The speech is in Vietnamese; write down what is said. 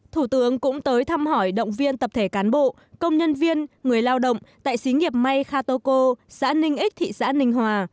thủ tướng cũng tới thăm hỏi động viên tập thể cán bộ công nhân viên người lao động tại xí nghiệp may khatoco xã ninh ích thị xã ninh hòa